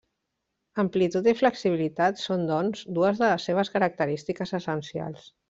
Amplitud i flexibilitat són, doncs, dues de les seves característiques essencials.